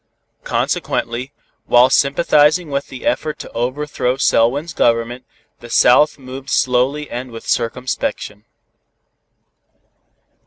Consequently, while sympathizing with the effort to overthrow Selwyn's government, the South moved slowly and with circumspection.